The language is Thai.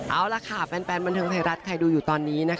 เอาล่ะค่ะแฟนบันเทิงไทยรัฐใครดูอยู่ตอนนี้นะคะ